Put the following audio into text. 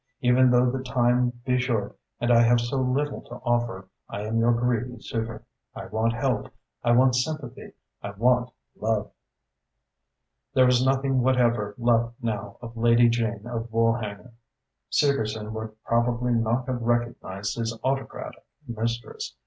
Even though the time be short and I have so little to offer, I am your greedy suitor. I want help, I want sympathy, I want love." There was nothing whatever left now of Lady Jane of Woolhanger. Segerson would probably not have recognised his autocratic mistress.